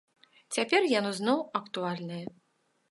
Цяпер яно зноў актуальнае.